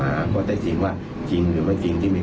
และก็ไม่ได้ยัดเยียดให้ทางครูส้มเซ็นสัญญา